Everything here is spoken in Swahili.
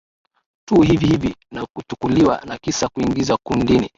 tu hivi hivi na kuchukuliwa na kisha kuingizwa kundini